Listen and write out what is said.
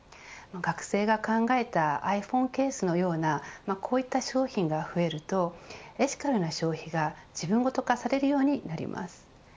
学生が考えたｉＰｈｏｎｅケースのようなこういった商品が増えるとエシカルな消費が自分ゴト化されるようになります